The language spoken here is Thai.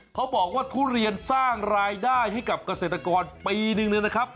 เขาบอกว่าทุเรียนสร้างรายได้ให้กับเกษตรกรปีหนึ่งเลยนะครับ